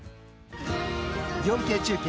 「４Ｋ中継